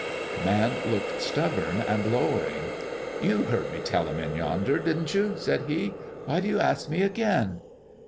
The man looked stubborn and lowering. "You heard me tell 'em in yonder, didn't you?" said he. "Why do you ask me again?"